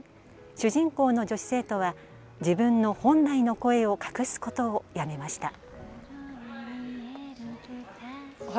主人公の女子生徒は自分の本来の声を隠すことをやめました。